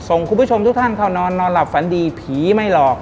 คุณผู้ชมทุกท่านเข้านอนนอนหลับฝันดีผีไม่หลอก